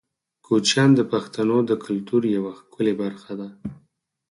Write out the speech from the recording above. کوچیان د پښتنو د کلتور یوه ښکلې برخه ده.